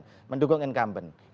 tidak mendukung incumbent